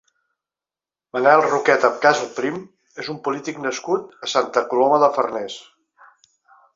Manel Roqueta Casalprim és un polític nascut a Santa Coloma de Farners.